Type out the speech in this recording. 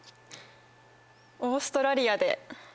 オーストラリアで。